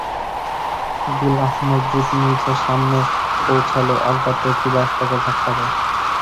গুল আহম্মদ জুট মিলসের সামনে পৌঁছালে অজ্ঞাত একটি বাস তাঁকে ধাক্কা দেয়।